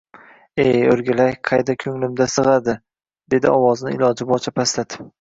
E, oʻrgilay, qayda koʻnglimga sigʻadi, dedi ovozini iloji boricha pastlatib